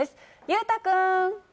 裕太君。